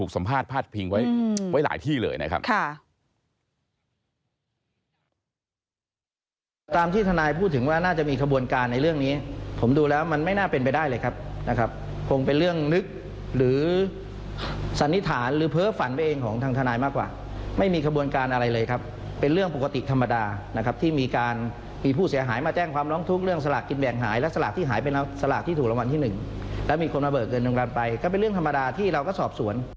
สัมภาษณ์พาดพิงไว้หลายที่เลยนะครับ